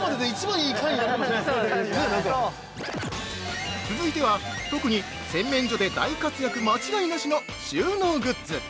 ◆続いては、特に洗面所で大活躍間違いなしの収納グッズ。